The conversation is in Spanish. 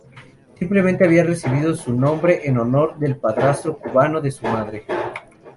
Simplemente había recibido su nombre en honor del padrastro cubano de su madre.